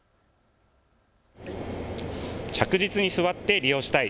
着実に座って利用したい。